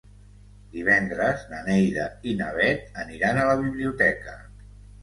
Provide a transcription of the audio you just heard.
Divendres na Neida i na Bet aniran a la biblioteca.